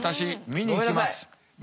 見に行きます。